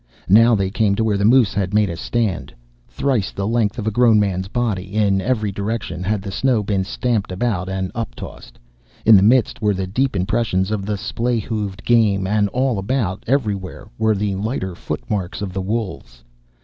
Now they came to where the moose had made a stand. Thrice the length of a grown man's body, in every direction, had the snow been stamped about and uptossed. In the midst were the deep impressions of the splay hoofed game, and all about, everywhere, were the lighter footmarks of the wolves.